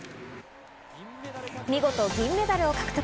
見事、銀メダルを獲得。